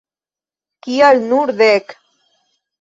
Kial nur dek?